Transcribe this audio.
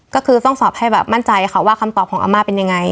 ก็คือต้องสอบให้แบบมั่นใจค่ะว่าคำตอบของอาม่าเป็นยังไง